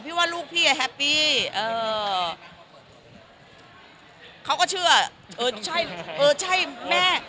ว่าลูกพี่แฮปปี้เอ่อเขาก็เชื่อเออใช่เออใช่แม่